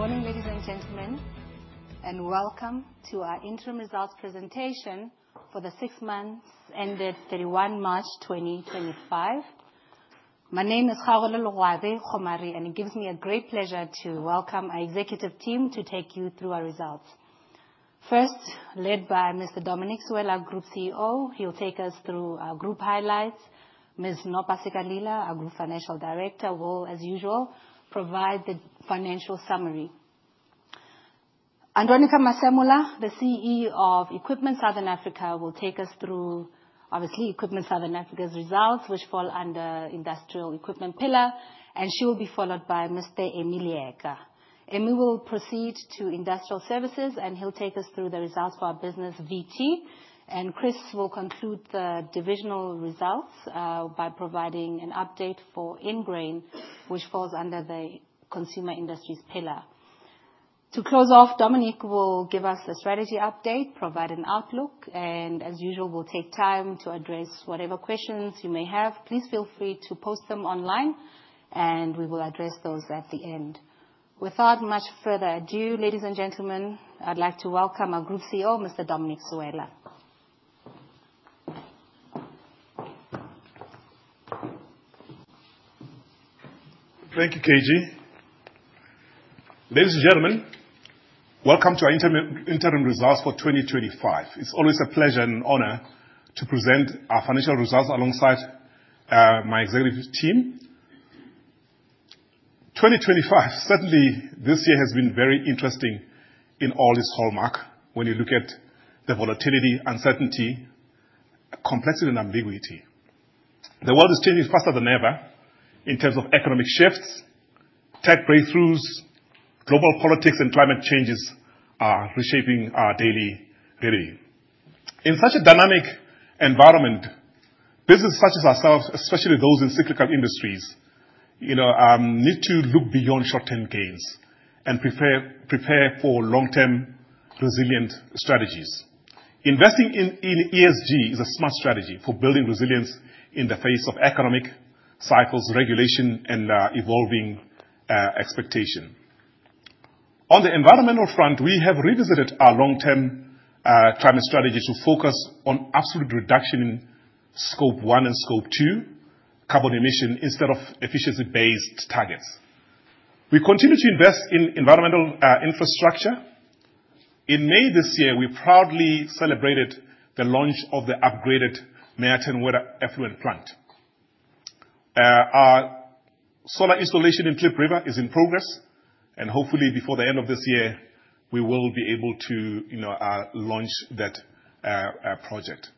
Good morning, ladies and gentlemen, and welcome to our interim results presentation for the six months ended 31 March 2025. My name is Kgaugelo Legoabe-Kgomari, and it gives me great pleasure to welcome our executive team to take you through our results. First, led by Mr. Dominic Sewela, Group CEO, he'll take us through our group highlights. Ms. Nopasika Lila, our Group Financial Director, will, as usual, provide the financial summary. Andronicca Masemola, the CEO of Equipment Southern Africa, will take us through, obviously, Equipment Southern Africa's results, which fall under the Industrial Equipment pillar, and she will be followed by Mr. Emmanuel Leeka. Emmanuel will proceed to Industrial Services, and he'll take us through the results for our business VT, and Chris will conclude the divisional results by providing an update for Ingrain, which falls under the Consumer Industries pillar. To close off, Dominic will give us a strategy update, provide an outlook, and, as usual, we'll take time to address whatever questions you may have. Please feel free to post them online, and we will address those at the end. Without much further ado, ladies and gentlemen, I'd like to welcome our Group CEO, Mr. Dominic Sewela. Thank you, KG. Ladies and gentlemen, welcome to our interim results for 2025. It is always a pleasure and honor to present our financial results alongside my executive team. 2025, certainly this year, has been very interesting in all its hallmarks when you look at the volatility, uncertainty, complexity, and ambiguity. The world is changing faster than ever in terms of economic shifts, tech breakthroughs, global politics, and climate changes are reshaping our daily living. In such a dynamic environment, businesses such as ourselves, especially those in cyclical industries, you know, need to look beyond short-term gains and prepare for long-term resilient strategies. Investing in ESG is a smart strategy for building resilience in the face of economic cycles, regulation, and evolving expectations. On the environmental front, we have revisited our long-term climate strategy to focus on absolute reduction in scope 1 and scope 2 carbon emissions instead of efficiency-based targets. We continue to invest in environmental infrastructure. In May this year, we proudly celebrated the launch of the upgraded Meyerton Water Effluent Plant. Our solar installation in Klip River is in progress, and hopefully, before the end of this year, we will be able to, you know, launch that project.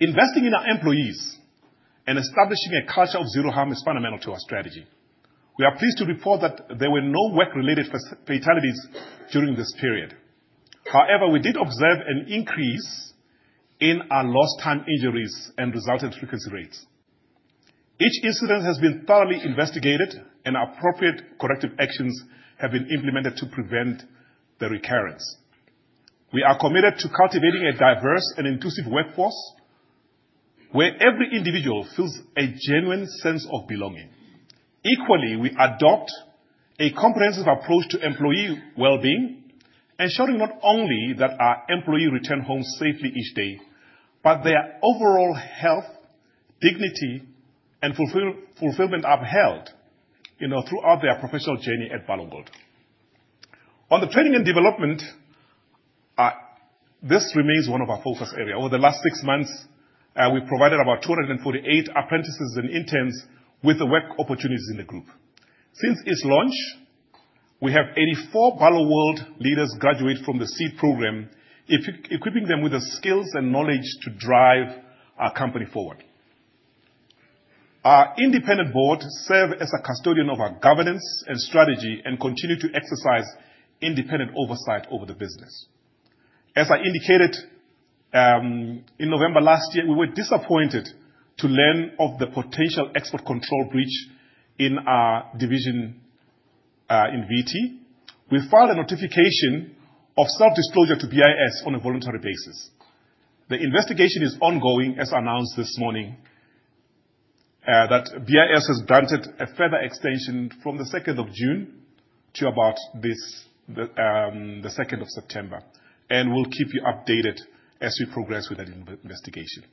Investing in our employees and establishing a culture of zero harm is fundamental to our strategy. We are pleased to report that there were no work-related fatalities during this period. However, we did observe an increase in our lost-time injuries and resultant frequency rates. Each incident has been thoroughly investigated, and appropriate corrective actions have been implemented to prevent the recurrence. We are committed to cultivating a diverse and inclusive workforce where every individual feels a genuine sense of belonging. Equally, we adopt a comprehensive approach to employee well-being, ensuring not only that our employees return home safely each day, but their overall health, dignity, and fulfillment are held, you know, throughout their professional journey at Barloworld. On the training and development, this remains one of our focus areas. Over the last six months, we provided about 248 apprentices and interns with the work opportunities in the group. Since its launch, we have 84 Barloworld leaders graduate from the SEED program, equipping them with the skills and knowledge to drive our company forward. Our independent board serves as a custodian of our governance and strategy and continues to exercise independent oversight over the business. As I indicated in November last year, we were disappointed to learn of the potential export control breach in our division in VT. We filed a notification of self-disclosure to BIS on a voluntary basis. The investigation is ongoing, as announced this morning, that BIS has granted a further extension from the 2nd of June to about the 2nd of September, and we'll keep you updated as we progress with that investigation.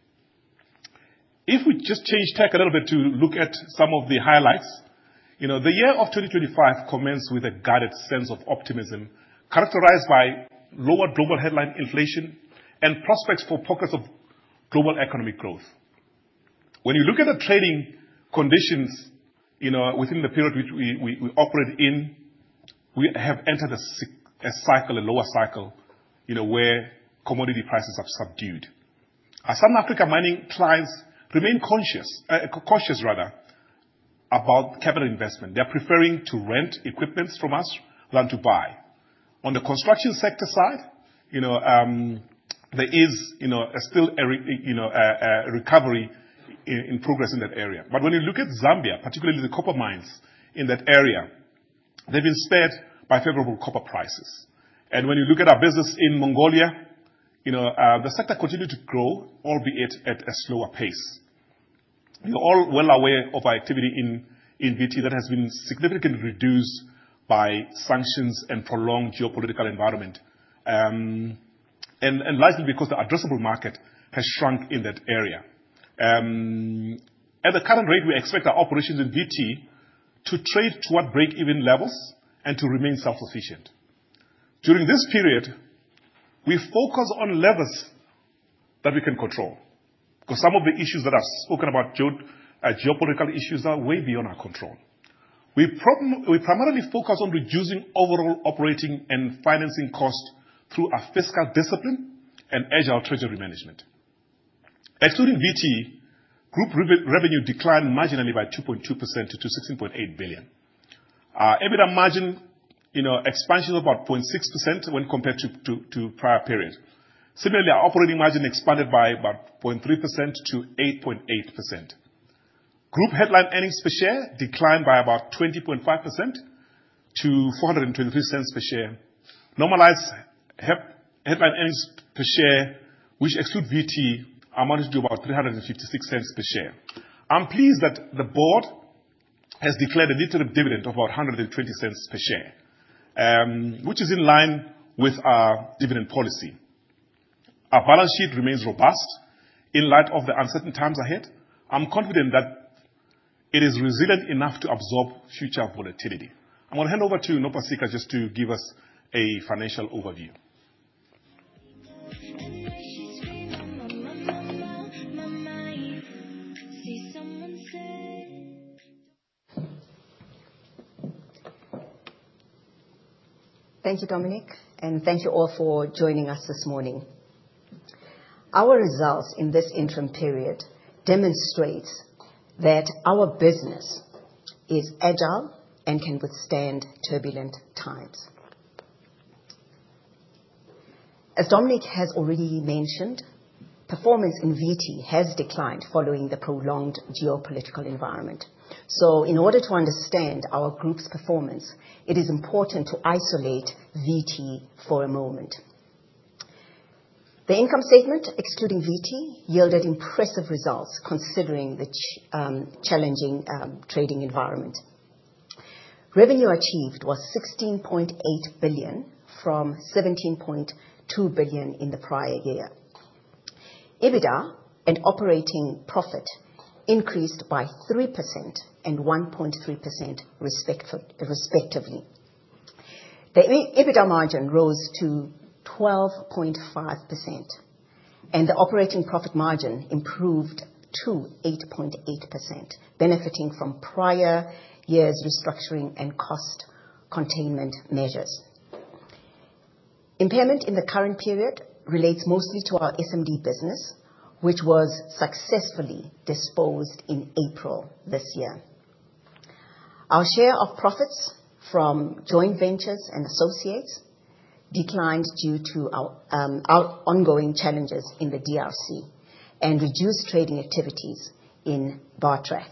If we just change tack a little bit to look at some of the highlights, you know, the year of 2025 commences with a guided sense of optimism characterized by lower global headline inflation and prospects for pockets of global economic growth. When you look at the trading conditions, you know, within the period which we operate in, we have entered a cycle, a lower cycle, you know, where commodity prices are subdued. Our Southern Africa mining clients remain conscious, cautious rather, about capital investment. They're preferring to rent equipment from us than to buy. On the construction sector side, you know, there is, you know, still, you know, a recovery in progress in that area. When you look at Zambia, particularly the copper mines in that area, they've been spared by favorable copper prices. When you look at our business in Mongolia, you know, the sector continues to grow, albeit at a slower pace. You're all well aware of our activity in VT that has been significantly reduced by sanctions and prolonged geopolitical environment, likely because the addressable market has shrunk in that area. At the current rate, we expect our operations in VT to trade toward break-even levels and to remain self-sufficient. During this period, we focus on levers that we can control because some of the issues that I've spoken about, geopolitical issues, are way beyond our control. We primarily focus on reducing overall operating and financing costs through our fiscal discipline and agile treasury management. Excluding VT, group revenue declined marginally by 2.2% to 16.8 billion. Our EBITDA margin, you know, expansion of about 0.6% when compared to prior period. Similarly, our operating margin expanded by about 0.3% to 8.8%. Group headline earnings per share declined by about 20.5% to 0.0423 per share. Normalized headline earnings per share, which excludes VT, amounted to about 0.0356 per share. I'm pleased that the board has declared a literal dividend of about 0.0120 per share, which is in line with our dividend policy. Our balance sheet remains robust in light of the uncertain times ahead. I'm confident that it is resilient enough to absorb future volatility. I'm going to hand over to Nopasika just to give us a financial overview. Thank you, Dominic, and thank you all for joining us this morning. Our results in this interim period demonstrate that our business is agile and can withstand turbulent times. As Dominic has already mentioned, performance in VT has declined following the prolonged geopolitical environment. In order to understand our group's performance, it is important to isolate VT for a moment. The income statement, excluding VT, yielded impressive results considering the challenging trading environment. Revenue achieved was ZAR 16.8 billion from 17.2 billion in the prior year. EBITDA and operating profit increased by 3% and 1.3% respectively. The EBITDA margin rose to 12.5%, and the operating profit margin improved to 8.8%, benefiting from prior year's restructuring and cost containment measures. Impairment in the current period relates mostly to our SMD business, which was successfully disposed in April this year. Our share of profits from joint ventures and associates declined due to our ongoing challenges in the DRC and reduced trading activities in Bartrac.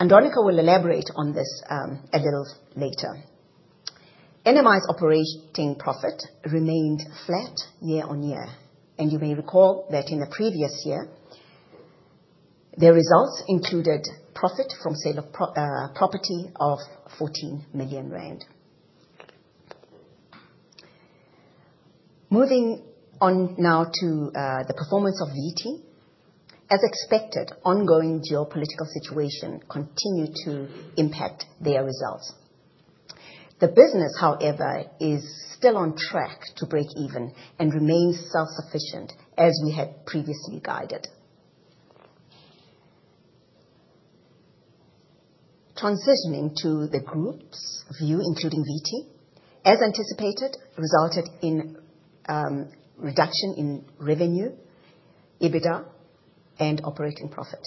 Andronicca will elaborate on this a little later. NMI's operating profit remained flat year-on-year, and you may recall that in the previous year, their results included profit from sale of property of 14 million rand. Moving on now to the performance of VT, as expected, ongoing geopolitical situation continued to impact their results. The business, however, is still on track to break even and remains self-sufficient as we had previously guided. Transitioning to the group's view, including VT, as anticipated, resulted in a reduction in revenue, EBITDA, and operating profit.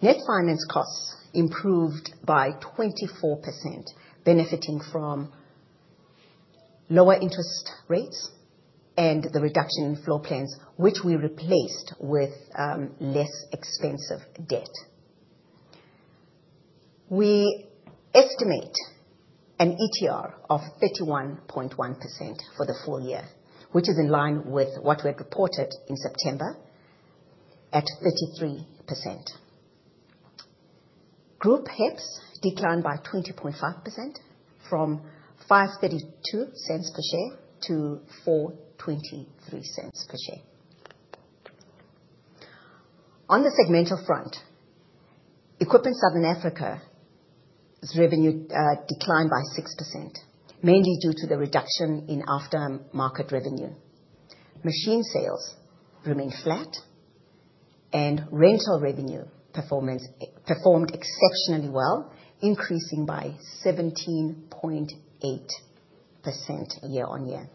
Net finance costs improved by 24%, benefiting from lower interest rates and the reduction in floor plans, which we replaced with less expensive debt. We estimate an ETR of 31.1% for the full year, which is in line with what we had reported in September at 33%. Group HEPS declined by 20.5% from 0.0532 per share to ZAR 0.0423 per share. On the segmental front, Equipment Southern Africa's revenue declined by 6%, mainly due to the reduction in aftermarket revenue. Machine sales remained flat, and rental revenue performed exceptionally well, increasing by 17.8% year-on-year.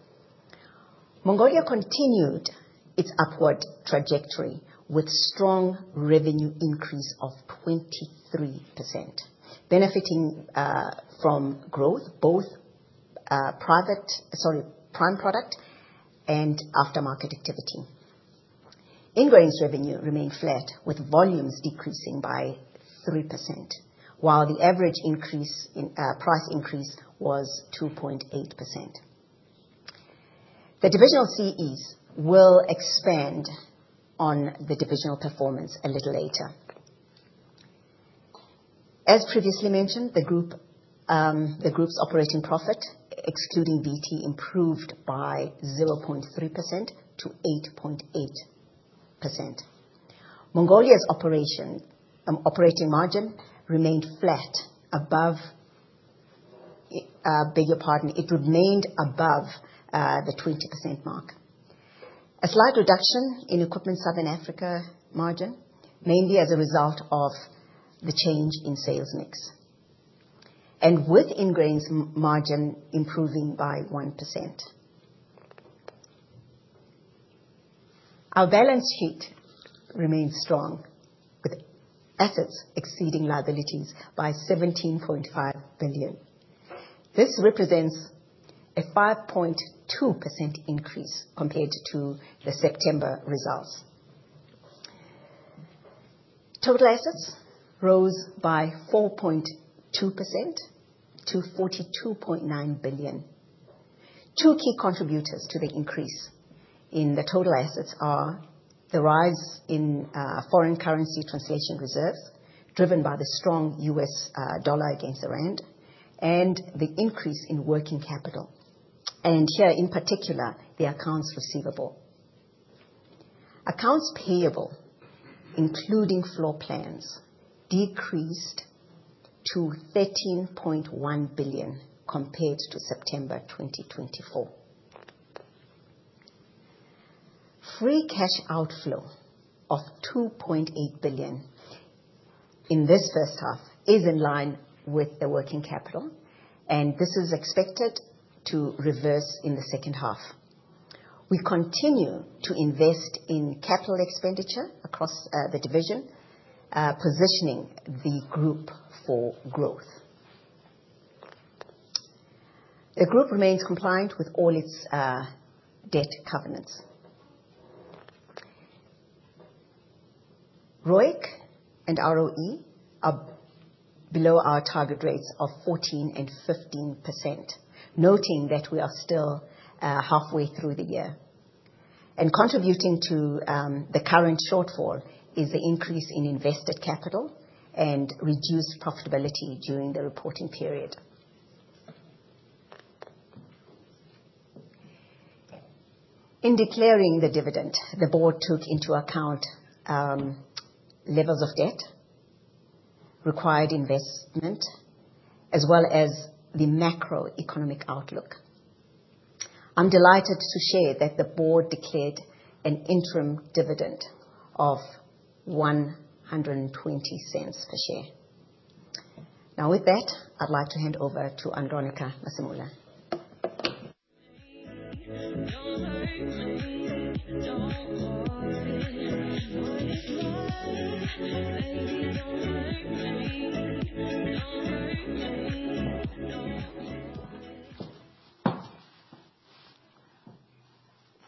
Mongolia continued its upward trajectory with a strong revenue increase of 23%, benefiting from growth, both private, sorry, prime product and aftermarket activity. Ingrain's revenue remained flat, with volumes decreasing by 3%, while the average increase in price was 2.8%. The divisional CEs will expand on the divisional performance a little later. As previously mentioned, the group's operating profit, excluding VT, improved by 0.3% to 8.8%. Mongolia's operating margin remained flat above, bigger pardon, it remained above the 20% mark. A slight reduction in Equipment Southern Africa margin, mainly as a result of the change in sales mix, and with Ingrain's margin improving by 1%. Our balance sheet remained strong, with assets exceeding liabilities by 17.5 billion. This represents a 5.2% increase compared to the September results. Total assets rose by 4.2% to 42.9 billion. Two key contributors to the increase in the total assets are the rise in foreign currency translation reserves driven by the strong US dollar against the rand and the increase in working capital. Here, in particular, the accounts receivable. Accounts payable, including floor plans, decreased to 13.1 billion compared to September 2024. Free cash outflow of 2.8 billion in this first half is in line with the working capital, and this is expected to reverse in the second half. We continue to invest in capital expenditure across the division, positioning the group for growth. The group remains compliant with all its debt covenants. ROIC and ROE are below our target rates of 14% and 15%, noting that we are still halfway through the year. Contributing to the current shortfall is the increase in invested capital and reduced profitability during the reporting period. In declaring the dividend, the board took into account levels of debt, required investment, as well as the macroeconomic outlook. I'm delighted to share that the board declared an interim dividend of ZAR 0.0120 per share. Now, with that, I'd like to hand over to Andronicca Masemola.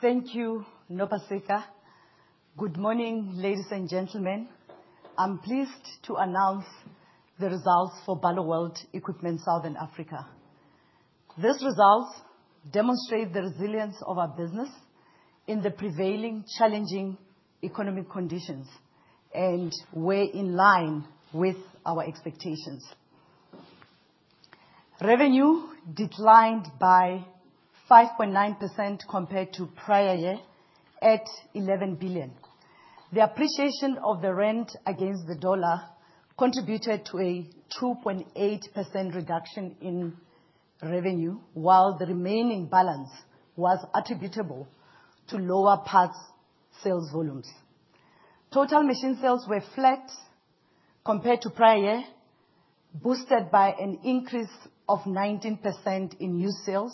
Thank you, Nopasika. Good morning, ladies and gentlemen. I'm pleased to announce the results for Barloworld Equipment Southern Africa. These results demonstrate the resilience of our business in the prevailing challenging economic conditions and were in line with our expectations. Revenue declined by 5.9% compared to prior year at 11 billion. The appreciation of the rand against the dollar contributed to a 2.8% reduction in revenue, while the remaining balance was attributable to lower parts sales volumes. Total machine sales were flat compared to prior year, boosted by an increase of 19% in new sales,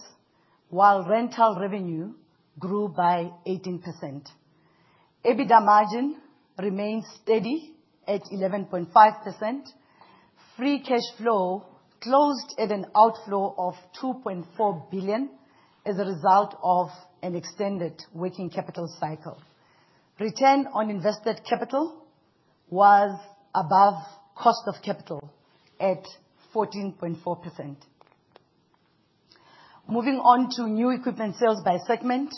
while rental revenue grew by 18%. EBITDA margin remained steady at 11.5%. Free cash flow closed at an outflow of 2.4 billion as a result of an extended working capital cycle. Return on invested capital was above cost of capital at 14.4%. Moving on to new equipment sales by segment,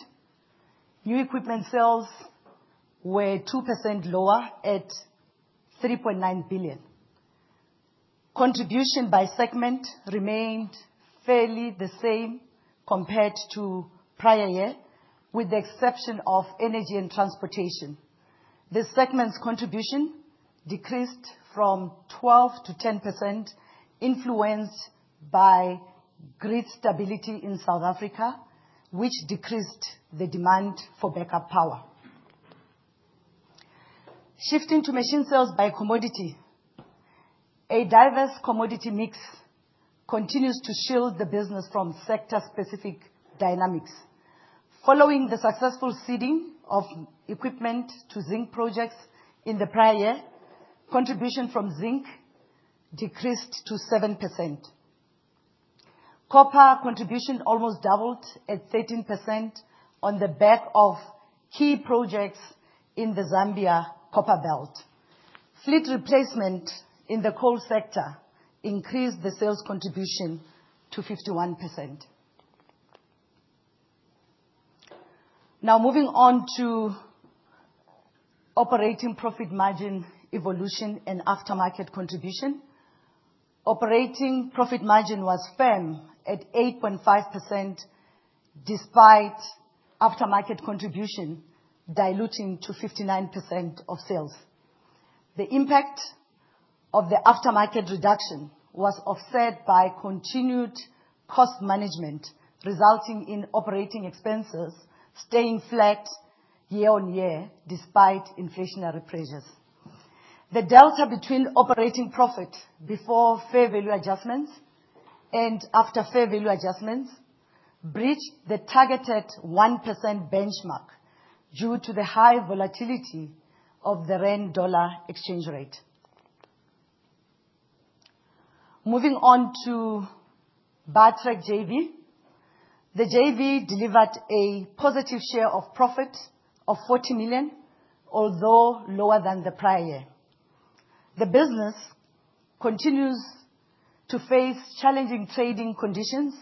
new equipment sales were 2% lower at 3.9 billion. Contribution by segment remained fairly the same compared to prior year, with the exception of Energy and Transportation. The segment's contribution decreased from 12% to 10%, influenced by grid stability in South Africa, which decreased the demand for backup power. Shifting to machine sales by commodity, a diverse commodity mix continues to shield the business from sector-specific dynamics. Following the successful seeding of equipment to zinc projects in the prior year, contribution from zinc decreased to 7%. Copper contribution almost doubled at 13% on the back of key projects in the Zambia copper belt. Fleet replacement in the coal sector increased the sales contribution to 51%. Now, moving on to operating profit margin evolution and aftermarket contribution. Operating profit margin was firm at 8.5% despite aftermarket contribution diluting to 59% of sales. The impact of the aftermarket reduction was offset by continued cost management, resulting in operating expenses staying flat year-on-year despite inflationary pressures. The delta between operating profit before fair value adjustments and after fair value adjustments breached the targeted 1% benchmark due to the high volatility of the rand-dollar exchange rate. Moving on to Bartrac JV, the JV delivered a positive share of profit of 40 million, although lower than the prior year. The business continues to face challenging trading conditions,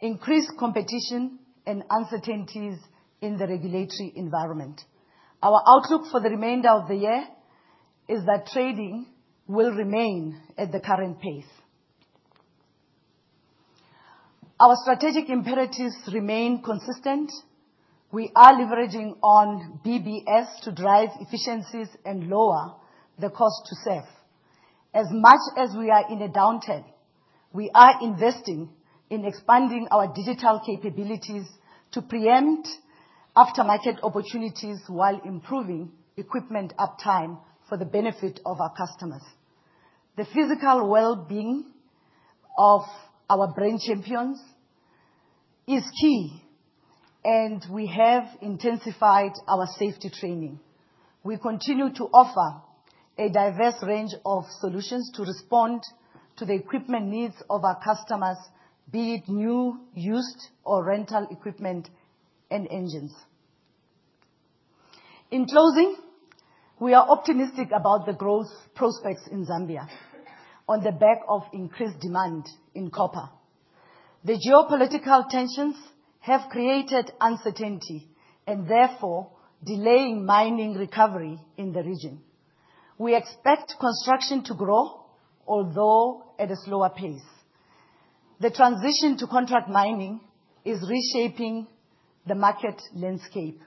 increased competition, and uncertainties in the regulatory environment. Our outlook for the remainder of the year is that trading will remain at the current pace. Our strategic imperatives remain consistent. We are leveraging on BBS to drive efficiencies and lower the cost to save. As much as we are in a downturn, we are investing in expanding our digital capabilities to preempt aftermarket opportunities while improving equipment uptime for the benefit of our customers. The physical well-being of our brain champions is key, and we have intensified our safety training. We continue to offer a diverse range of solutions to respond to the equipment needs of our customers, be it new, used, or rental equipment and engines. In closing, we are optimistic about the growth prospects in Zambia on the back of increased demand in copper. The geopolitical tensions have created uncertainty and therefore delaying mining recovery in the region. We expect construction to grow, although at a slower pace. The transition to contract mining is reshaping the market landscape,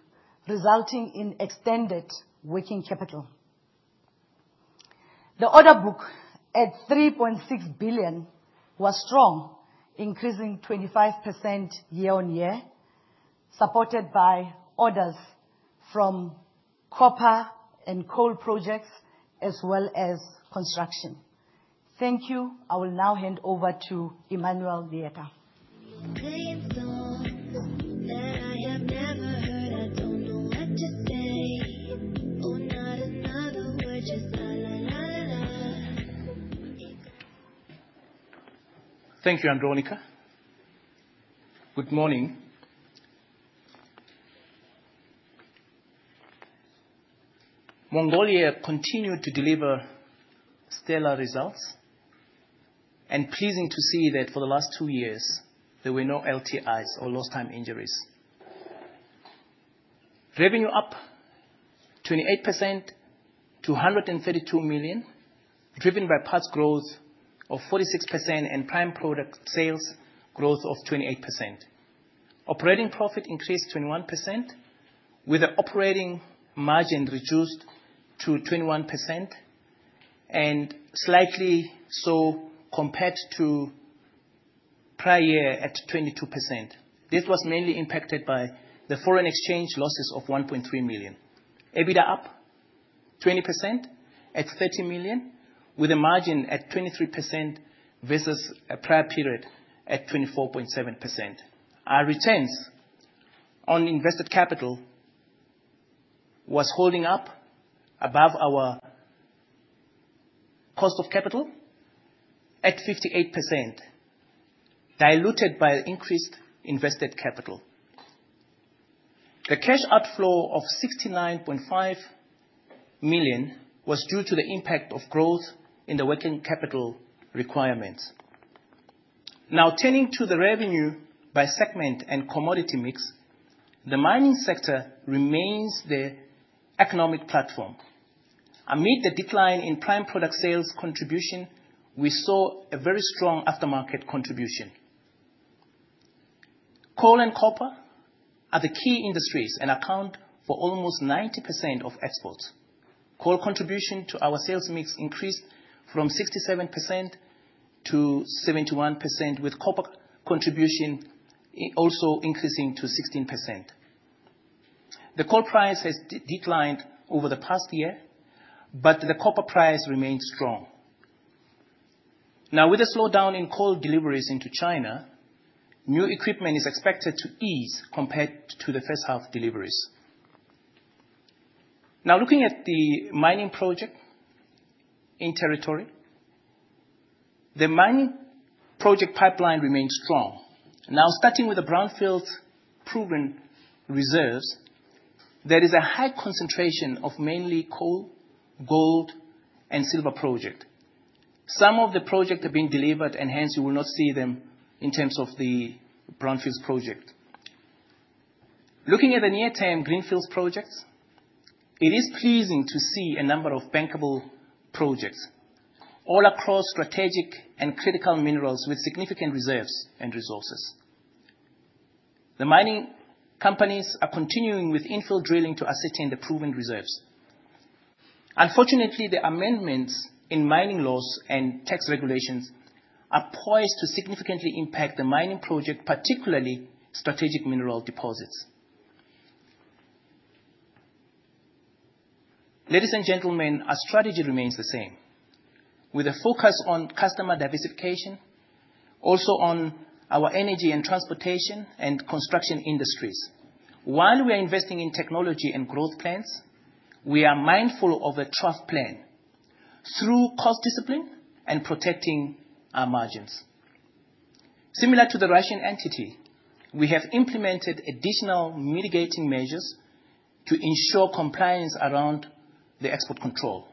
resulting in extended working capital. The order book at 3.6 billion was strong, increasing 25% year-on-year, supported by orders from copper and coal projects as well as construction. Thank you. I will now hand over to Emmanuel Leeka. Thank you, Andronicca. Good morning. Mongolia continued to deliver stellar results, and pleasing to see that for the last two years, there were no LTIs or lost time injuries. Revenue up 28% to 132 million, driven by parts growth of 46% and prime product sales growth of 28%. Operating profit increased 21%, with the operating margin reduced to 21% and slightly so compared to prior year at 22%. This was mainly impacted by the foreign exchange losses of 1.3 million. EBITDA up 20% at 30 million, with a margin at 23% versus a prior period at 24.7%. Our returns on invested capital were holding up above our cost of capital at 58%, diluted by increased invested capital. The cash outflow of 69.5 million was due to the impact of growth in the working capital requirements. Now, turning to the revenue by segment and commodity mix, the mining sector remains the economic platform. Amid the decline in prime product sales contribution, we saw a very strong aftermarket contribution. Coal and copper are the key industries and account for almost 90% of exports. Coal contribution to our sales mix increased from 67% to 71%, with copper contribution also increasing to 16%. The coal price has declined over the past year, but the copper price remained strong. Now, with the slowdown in coal deliveries into China, new equipment is expected to ease compared to the first half deliveries. Now, looking at the mining project in territory, the mining project pipeline remains strong. Now, starting with the brownfields proven reserves, there is a high concentration of mainly coal, gold, and silver projects. Some of the projects are being delivered, and hence you will not see them in terms of the brownfields project. Looking at the near-term greenfields projects, it is pleasing to see a number of bankable projects all across strategic and critical minerals with significant reserves and resources. The mining companies are continuing with infill drilling to ascertain the proven reserves. Unfortunately, the amendments in mining laws and tax regulations are poised to significantly impact the mining project, particularly strategic mineral deposits. Ladies and gentlemen, our strategy remains the same, with a focus on customer diversification, also on our energy and transportation and construction industries. While we are investing in technology and growth plans, we are mindful of a trough plan through cost discipline and protecting our margins. Similar to the Russian entity, we have implemented additional mitigating measures to ensure compliance around the export control.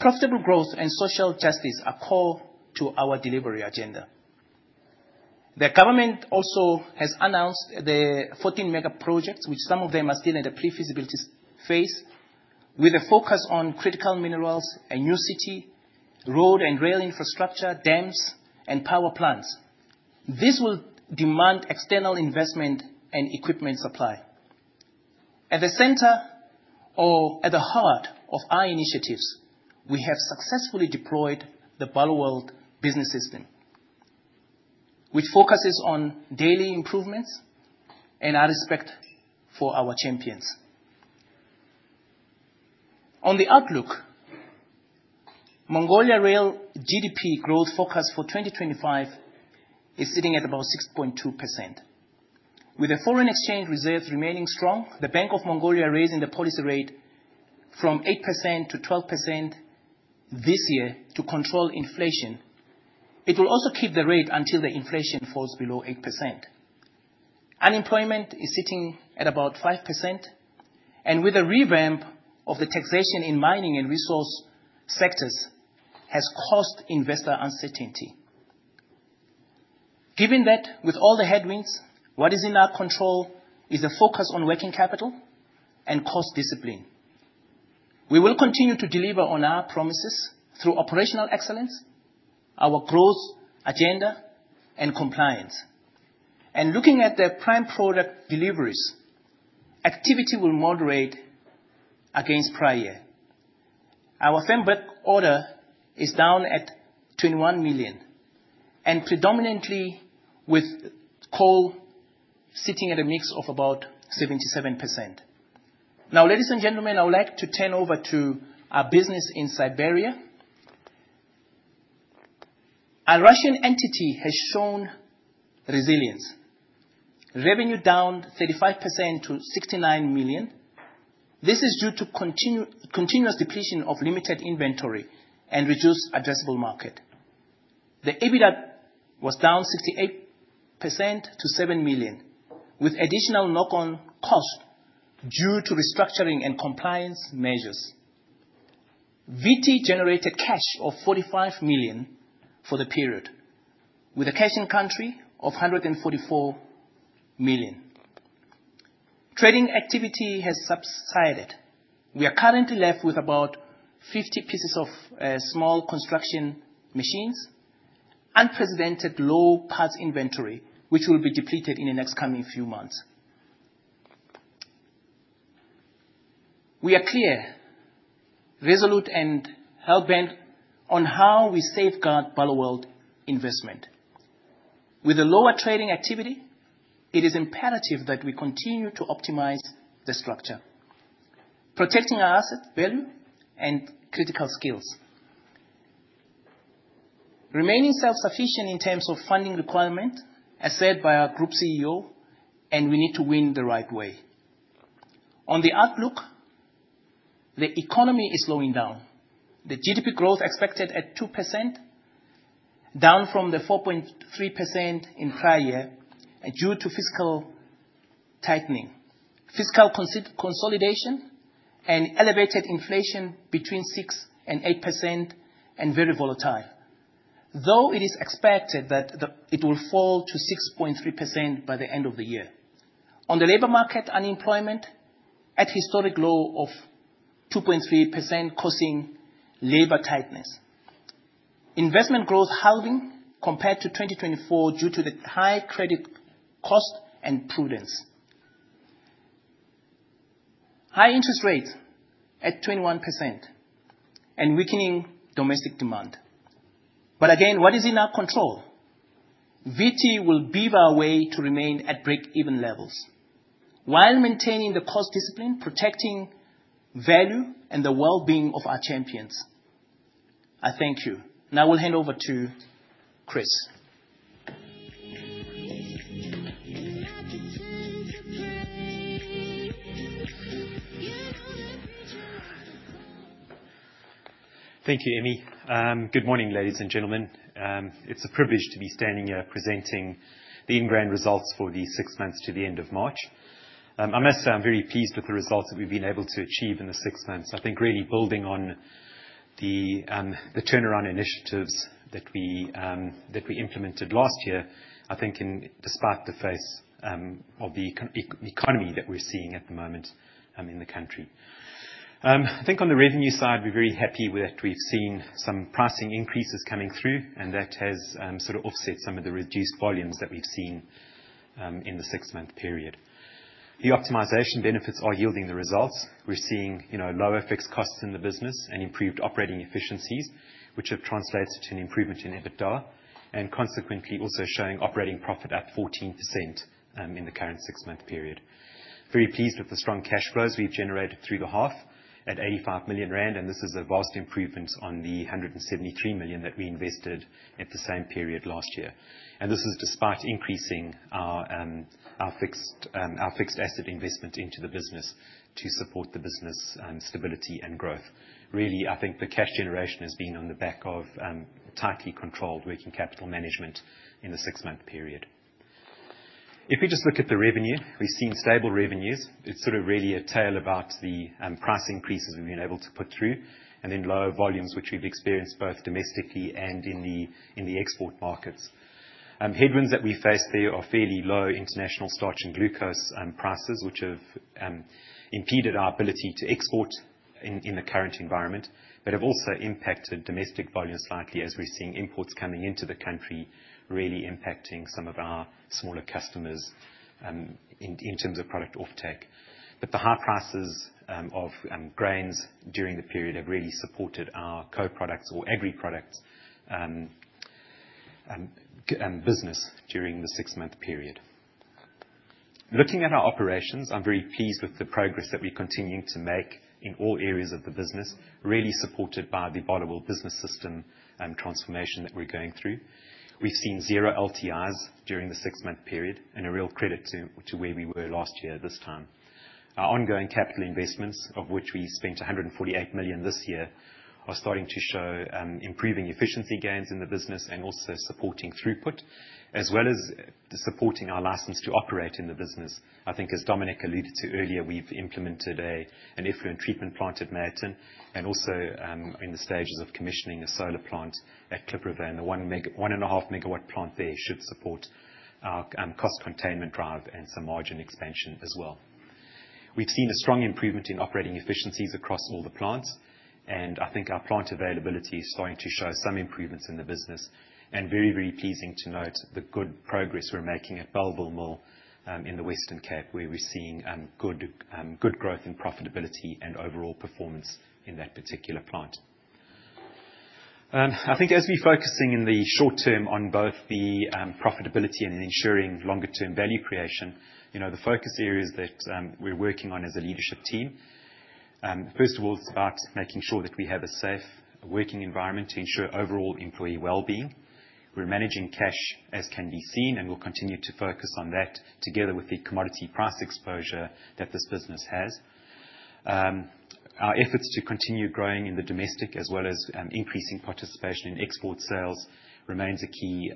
Profitable growth and social justice are core to our delivery agenda. The government also has announced the 14-mega projects, which some of them are still in the pre-feasibility phase, with a focus on critical minerals, a new city, road and rail infrastructure, dams, and power plants. This will demand external investment and equipment supply. At the center or at the heart of our initiatives, we have successfully deployed the Barloworld Business System, which focuses on daily improvements and our respect for our champions. On the outlook, Mongolia Rail GDP growth focus for 2025 is sitting at about 6.2%. With the foreign exchange reserves remaining strong, the Bank of Mongolia raising the policy rate from 8% to 12% this year to control inflation. It will also keep the rate until the inflation falls below 8%. Unemployment is sitting at about 5%, and with the revamp of the taxation in mining and resource sectors, it has caused investor uncertainty. Given that, with all the headwinds, what is in our control is a focus on working capital and cost discipline. We will continue to deliver on our promises through operational excellence, our growth agenda, and compliance. Looking at the prime product deliveries, activity will moderate against prior year. Our firm back order is down at 21 million, and predominantly with coal sitting at a mix of about 77%. Now, ladies and gentlemen, I would like to turn over to our business in Siberia. A Russian entity has shown resilience. Revenue down 35% to 69 million. This is due to continuous depletion of limited inventory and reduced addressable market. The EBITDA was down 68% to 7 million, with additional knock-on cost due to restructuring and compliance measures. VT generated cash of 45 million for the period, with a cash in country of 144 million. Trading activity has subsided. We are currently left with about 50 pieces of small construction machines, unprecedented low parts inventory, which will be depleted in the next coming few months. We are clear, resolute, and hellbent on how we safeguard Barloworld investment. With the lower trading activity, it is imperative that we continue to optimize the structure, protecting our asset value and critical skills. Remaining self-sufficient in terms of funding requirement, as said by our Group CEO, and we need to win the right way. On the outlook, the economy is slowing down. The GDP growth expected at 2%, down from the 4.3% in prior year due to fiscal tightening, fiscal consolidation, and elevated inflation between 6%-8%, and very volatile, though it is expected that it will fall to 6.3% by the end of the year. On the labor market, unemployment at historic low of 2.3%, causing labor tightness. Investment growth halving compared to 2024 due to the high credit cost and prudence. High interest rates at 21% and weakening domestic demand. What is in our control? VT will beave our way to remain at break-even levels while maintaining the cost discipline, protecting value and the well-being of our champions. I thank you. Now I will hand over to Chris. Thank you, Emmy. Good morning, ladies and gentlemen. It's a privilege to be standing here presenting the Ingrain results for the six months to the end of March. I must say I'm very pleased with the results that we've been able to achieve in the six months. I think really building on the turnaround initiatives that we implemented last year, I think in despite the face of the economy that we're seeing at the moment in the country. I think on the revenue side, we're very happy that we've seen some pricing increases coming through, and that has sort of offset some of the reduced volumes that we've seen in the six-month period. The optimization benefits are yielding the results. We're seeing lower fixed costs in the business and improved operating efficiencies, which have translated to an improvement in EBITDA and consequently also showing operating profit at 14% in the current six-month period. Very pleased with the strong cash flows we've generated through the half at 85 million rand, and this is a vast improvement on the 173 million that we invested at the same period last year. This is despite increasing our fixed asset investment into the business to support the business stability and growth. Really, I think the cash generation has been on the back of tightly controlled working capital management in the six-month period. If we just look at the revenue, we've seen stable revenues. It's sort of really a tale about the price increases we've been able to put through and then lower volumes, which we've experienced both domestically and in the export markets. Headwinds that we face there are fairly low international starch and glucose prices, which have impeded our ability to export in the current environment, but have also impacted domestic volumes slightly as we're seeing imports coming into the country really impacting some of our smaller customers in terms of product off-take. However, the high prices of grains during the period have really supported our co-products or agri-products business during the six-month period. Looking at our operations, I'm very pleased with the progress that we're continuing to make in all areas of the business, really supported by the Barloworld Business System transformation that we're going through. We've seen zero LTIs during the six-month period and a real credit to where we were last year at this time. Our ongoing capital investments, of which we spent 148 million this year, are starting to show improving efficiency gains in the business and also supporting throughput, as well as supporting our license to operate in the business. I think as Dominic alluded to earlier, we've implemented an effluent treatment plant at Meyerton and also in the stages of commissioning a solar plant at Klip River. The one and a half megawatt plant there should support our cost containment drive and some margin expansion as well. We've seen a strong improvement in operating efficiencies across all the plants, and I think our plant availability is starting to show some improvements in the business. It is very, very pleasing to note the good progress we're making at Bellville mill in the Western Cape, where we're seeing good growth in profitability and overall performance in that particular plant. I think as we're focusing in the short term on both the profitability and ensuring longer-term value creation, the focus areas that we're working on as a leadership team, first of all, it's about making sure that we have a safe working environment to ensure overall employee well-being. We're managing cash as can be seen, and we'll continue to focus on that together with the commodity price exposure that this business has. Our efforts to continue growing in the domestic as well as increasing participation in export sales remains a key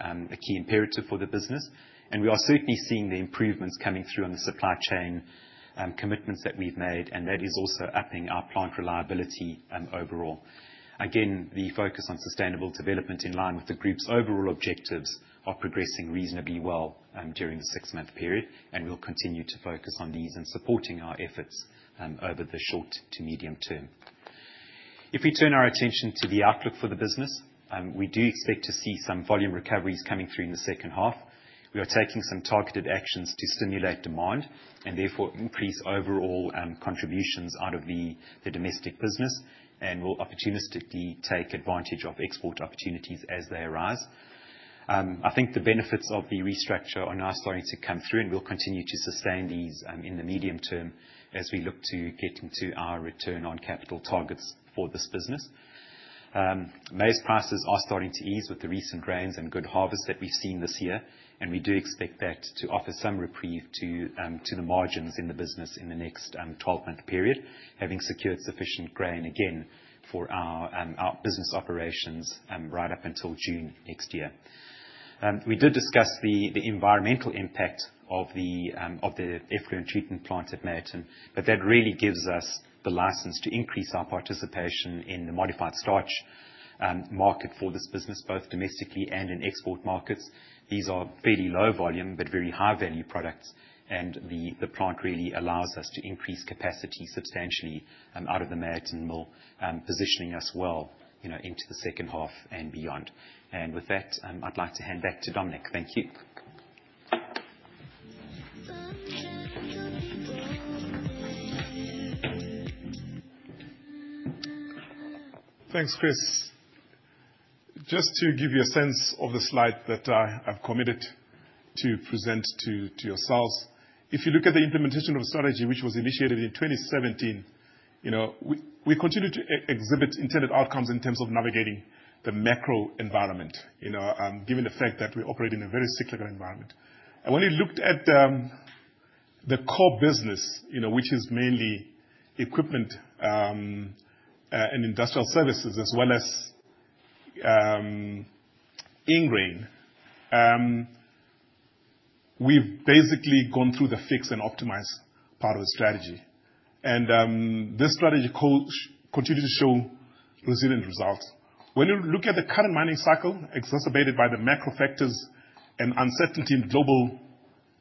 imperative for the business. We are certainly seeing the improvements coming through on the supply chain commitments that we've made, and that is also upping our plant reliability overall. Again, the focus on sustainable development in line with the group's overall objectives is progressing reasonably well during the six-month period, and we'll continue to focus on these and supporting our efforts over the short to medium term. If we turn our attention to the outlook for the business, we do expect to see some volume recoveries coming through in the second half. We are taking some targeted actions to stimulate demand and therefore increase overall contributions out of the domestic business and will opportunistically take advantage of export opportunities as they arise. I think the benefits of the restructure are now starting to come through, and we'll continue to sustain these in the medium term as we look to get into our return on capital targets for this business. May's prices are starting to ease with the recent grains and good harvest that we've seen this year, and we do expect that to offer some reprieve to the margins in the business in the next 12-month period, having secured sufficient grain again for our business operations right up until June next year. We did discuss the environmental impact of the updated effluent treatment plant at Meyerton, but that really gives us the license to increase our participation in the modified starch market for this business, both domestically and in export markets. These are fairly low volume, but very high-value products, and the plant really allows us to increase capacity substantially out of the Meyerton mill, positioning us well into the second half and beyond. With that, I'd like to hand back to Dominic. Thank you. Thanks, Chris. Just to give you a sense of the slide that I've committed to present to yourselves, if you look at the implementation of a strategy which was initiated in 2017, we continue to exhibit intended outcomes in terms of navigating the macro environment, given the fact that we operate in a very cyclical environment. When you looked at the core business, which is mainly equipment and industrial services as well as Ingrain, we've basically gone through the fix and optimize part of the strategy. This strategy continues to show resilient results. When you look at the current mining cycle, exacerbated by the macro factors and uncertainty in global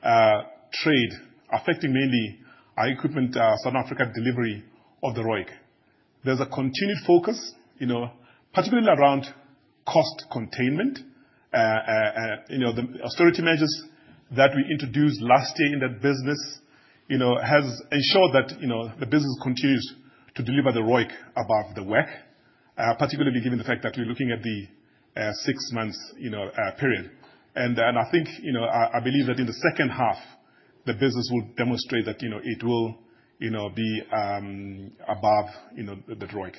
trade affecting mainly our Equipment Southern Africa delivery of the ROIC, there's a continued focus, particularly around cost containment. The austerity measures that we introduced last year in that business has ensured that the business continues to deliver the ROIC above the WACC, particularly given the fact that we're looking at the six-month period. I believe that in the second half, the business will demonstrate that it will be above the ROIC.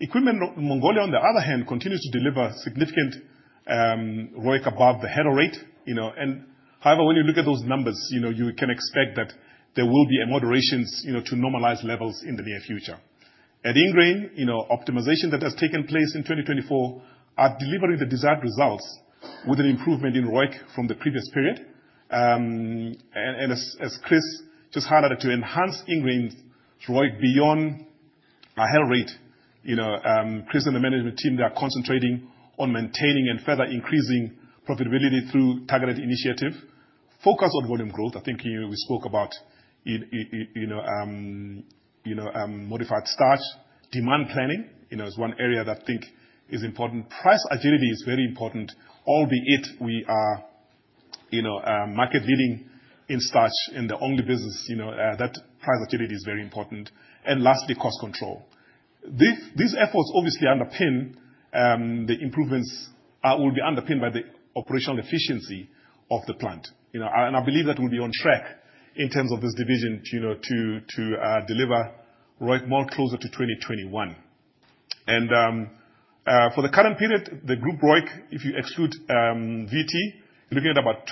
Equipment Mongolia, on the other hand, continues to deliver significant ROIC above the head of rate. However, when you look at those numbers, you can expect that there will be moderations to normalize levels in the near future. At Ingrain, optimization that has taken place in 2024 are delivering the desired results with an improvement in ROIC from the previous period. As Chris just highlighted, to enhance Ingrain ROIC beyond a head rate, Chris and the management team, they are concentrating on maintaining and further increasing profitability through targeted initiative, focus on volume growth. I think we spoke about modified starch, demand planning is one area that I think is important. Price agility is very important, albeit we are market-leading in starch in the only business. That price agility is very important. Lastly, cost control. These efforts obviously underpin the improvements, will be underpinned by the operational efficiency of the plant. I believe that we'll be on track in terms of this division to deliver ROIC more closer to 2021. For the current period, the group ROIC, if you exclude VT, you're looking at about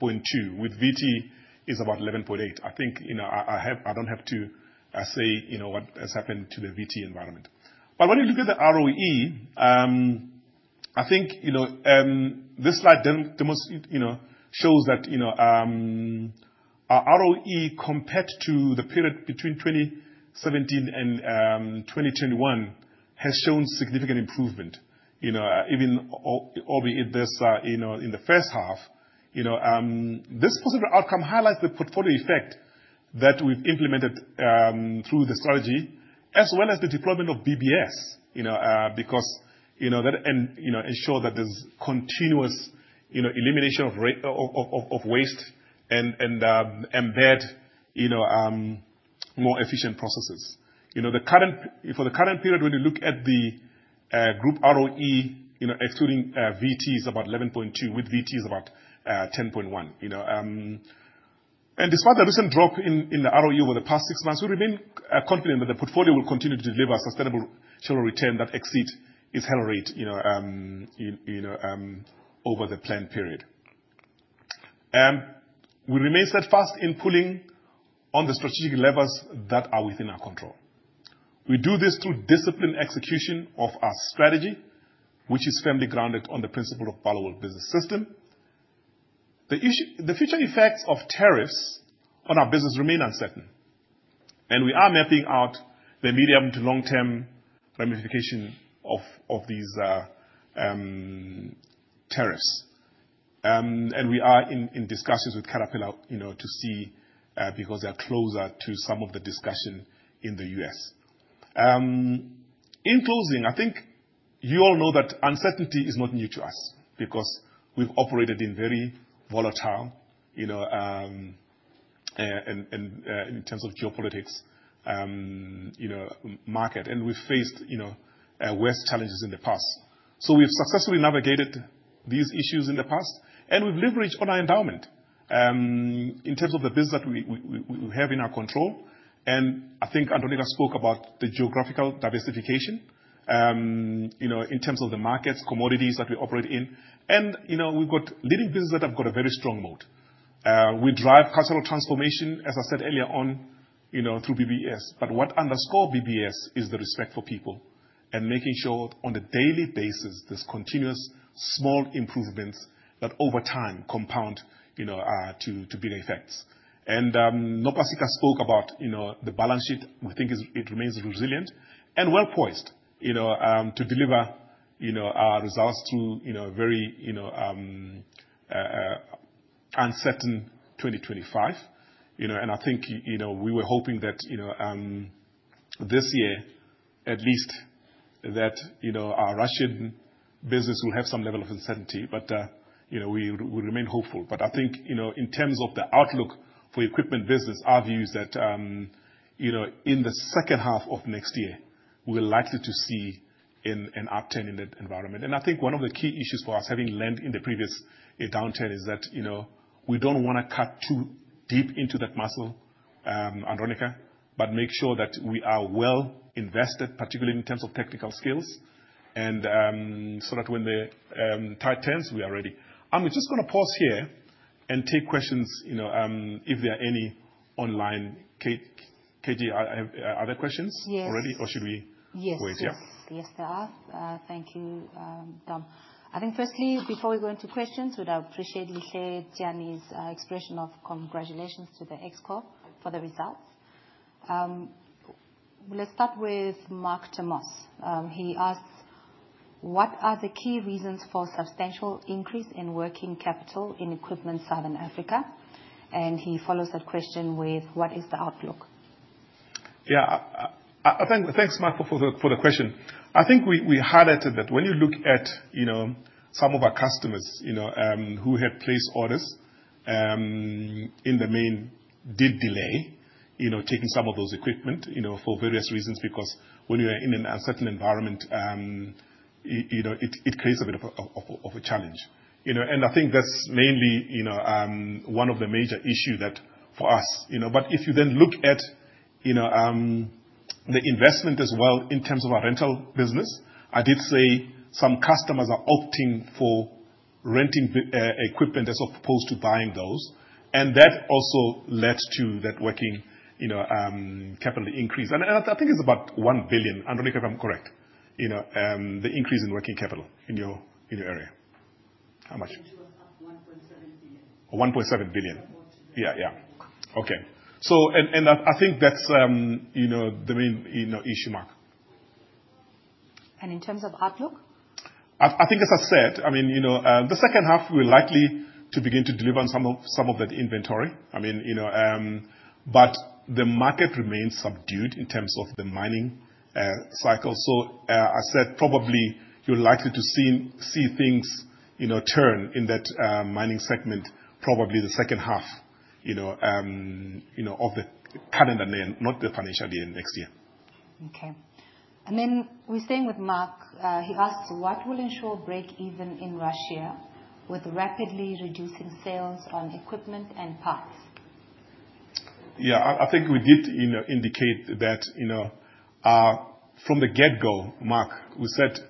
12.2%, with VT is about 11.8%. I think I don't have to say what has happened to the VT environment. When you look at the ROE, I think this slide shows that our ROE compared to the period between 2017 and 2021 has shown significant improvement, even albeit this in the first half. This positive outcome highlights the portfolio effect that we've implemented through the strategy as well as the deployment of BBS because that ensures that there's continuous elimination of waste and embed more efficient processes. For the current period, when you look at the group ROE, excluding VT, it's about 11.2%, with VT is about 10.1%. Despite the recent drop in the ROE over the past six months, we remain confident that the portfolio will continue to deliver a sustainable return that exceeds its hurdle rate over the planned period. We remain steadfast in pulling on the strategic levers that are within our control. We do this through disciplined execution of our strategy, which is firmly grounded on the principle of Barloworld Business System. The future effects of tariffs on our business remain uncertain, and we are mapping out the medium to long-term ramification of these tariffs. We are in discussions with Caterpillar to see because they are closer to some of the discussion in the U.S. In closing, I think you all know that uncertainty is not new to us because we have operated in very volatile and, in terms of geopolitics, market, and we have faced worse challenges in the past. We have successfully navigated these issues in the past, and we have leveraged on our endowment in terms of the business that we have in our control. I think Dominic spoke about the geographical diversification in terms of the markets, commodities that we operate in. We have got leading business that have got a very strong moat. We drive cultural transformation, as I said earlier, through BBS. What underscores BBS is the respect for people and making sure on a daily basis, there are continuous small improvements that over time compound to big effects. Nopasika spoke about the balance sheet. We think it remains resilient and well poised to deliver our results through a very uncertain 2025. I think we were hoping that this year, at least, our Russian business will have some level of uncertainty, but we remain hopeful. I think in terms of the outlook for equipment business, our view is that in the second half of next year, we are likely to see an upturn in that environment. I think one of the key issues for us, having learned in the previous downturn, is that we do not want to cut too deep into that muscle, Andronicca, but make sure that we are well invested, particularly in terms of technical skills, so that when the tide turns, we are ready. I am just going to pause here and take questions if there are any online. KG, other questions already? Yes. Or should we wait? Yes, there are. Thank you, Dom. I think firstly, before we go into questions, I would appreciate expression of congratulations to the exco for the results. Let's start with Mark Thomas. He asks, "What are the key reasons for substantial increase in working capital in Equipment Southern Africa?" And he follows that question with, "What is the outlook?" Yeah, thanks, Mark, for the question. I think we highlighted that when you look at some of our customers who had placed orders in the main, did delay taking some of those equipment for various reasons because when you are in an uncertain environment, it creates a bit of a challenge. I think that's mainly one of the major issues for us. If you then look at the investment as well in terms of our rental business, I did say some customers are opting for renting equipment as opposed to buying those. That also led to that working capital increase. I think it's about 1 billion, Andronicca, if I'm correct, the increase in working capital in your area. How much? It was up 1.7 billion. 1.7 billion. Yeah, yeah. Okay. I think that's the main issue, Mark. In terms of outlook, I think, as I said, the second half, we're likely to begin to deliver on some of that inventory. I mean, the market remains subdued in terms of the mining cycle. I said probably you're likely to see things turn in that mining segment, probably the second half of the calendar year, not the financial year next year. Okay. We're staying with Mark. He asks, "What will ensure break-even in Russia with rapidly reducing sales on equipment and parts?" Yeah, I think we did indicate that from the get-go, Mark, we said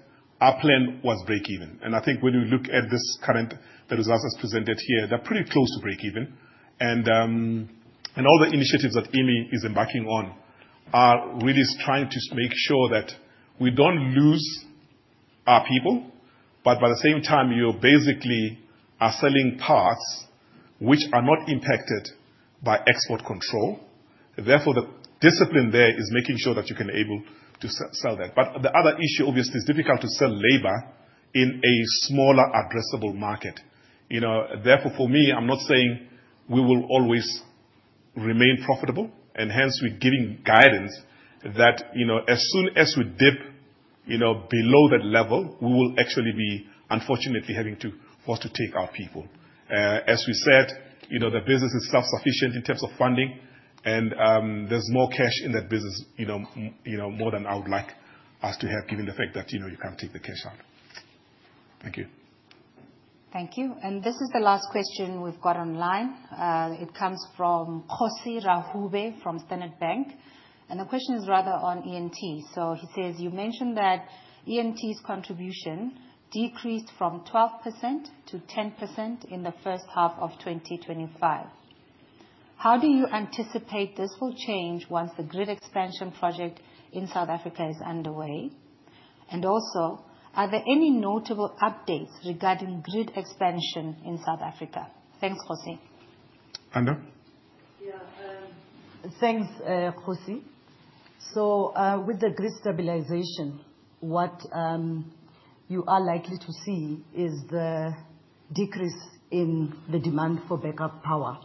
our plan was break-even. I think when you look at the results as presented here, they're pretty close to break-even. All the initiatives that Emmy is embarking on are really trying to make sure that we don't lose our people, but at the same time, you're basically selling parts which are not impacted by export control. Therefore, the discipline there is making sure that you can be able to sell that. The other issue, obviously, is difficult to sell labor in a smaller addressable market. Therefore, for me, I'm not saying we will always remain profitable. Hence, we're giving guidance that as soon as we dip below that level, we will actually be unfortunately having to take our people. As we said, the business is self-sufficient in terms of funding, and there's more cash in that business more than I would like us to have, given the fact that you can't take the cash out. Thank you. Thank you. This is the last question we've got online. It comes from Kgosi Rahube from Standard Bank. The question is rather on ENT. He says, "You mentioned that ENT's contribution decreased from 12% to 10% in the first half of 2025. How do you anticipate this will change once the grid expansion project in South Africa is underway? Also, are there any notable updates regarding grid expansion in South Africa?" Thanks, Kgosi. Andro? Yeah. Thanks, Kgosi. With the grid stabilization, what you are likely to see is the decrease in the demand for backup power.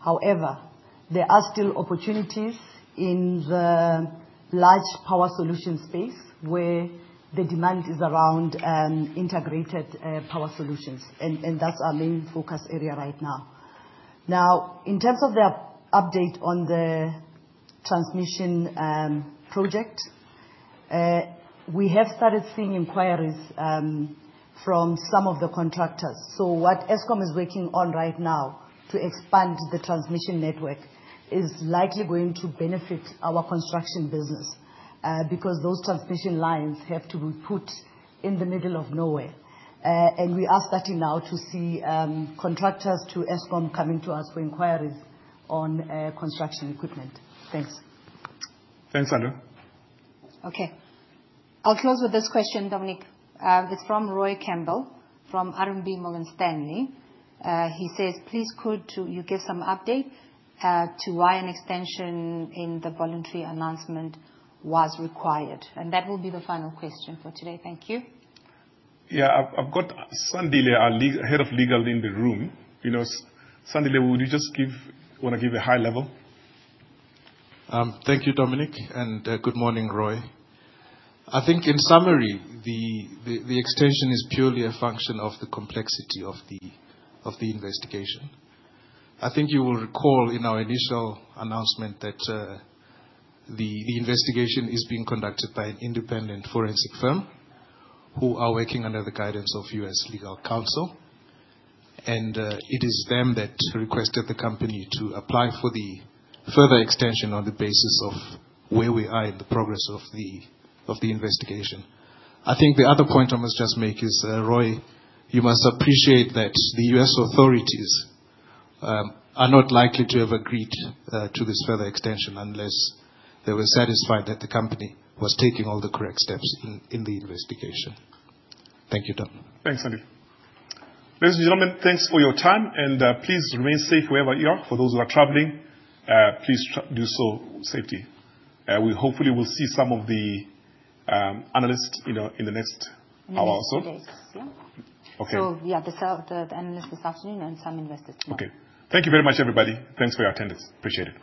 However, there are still opportunities in the large power solution space where the demand is around integrated power solutions. That is our main focus area right now. In terms of the update on the transmission project, we have started seeing inquiries from some of the contractors. What Eskom is working on right now to expand the transmission network is likely going to benefit our construction business because those transmission lines have to be put in the middle of nowhere. We are starting now to see contractors to Eskom coming to us for inquiries on construction equipment. Thanks. Thanks, Andro. Okay. I will close with this question, Dominic. It is from Roy Campbell from RMB Morgan Stanley. He says, "Please could you give some update to why an extension in the voluntary announcement was required?" That will be the final question for today. Thank you. Yeah, I've got Sandile, our Head of Legal, in the room. Sandile, would you just want to give a high level? Thank you, Dominic. Good morning, Roy. I think in summary, the extension is purely a function of the complexity of the investigation. I think you will recall in our initial announcement that the investigation is being conducted by an independent forensic firm who are working under the guidance of U.S. Legal Counsel. It is them that requested the company to apply for the further extension on the basis of where we are in the progress of the investigation. I think the other point I must just make is, Roy, you must appreciate that the U.S. authorities are not likely to have agreed to this further extension unless they were satisfied that the company was taking all the correct steps in the investigation. Thank you, Dom. Thanks, Sandi. Ladies and gentlemen, thanks for your time. Please remain safe wherever you are. For those who are traveling, please do so safely. Hopefully, we'll see some of the analysts in the next hour or so. We have the analysts this afternoon and some investors tomorrow. Thank you very much, everybody. Thanks for your attendance. Appreciate it.